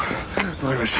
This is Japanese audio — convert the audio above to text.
わかりました。